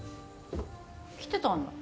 来てたんだ。